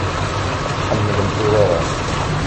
Ad tḥemmlemt urar-a.